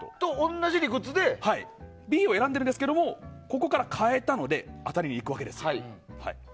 Ｂを選んでるんですがここから変えたので当たりにいくわけですよ。